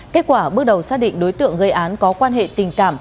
kết quả bước đầu xác định đối tượng gây án có quan hệ tình cảm